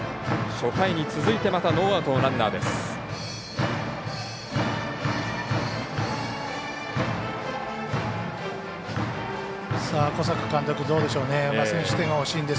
初回に続いてまたノーアウトのランナーです。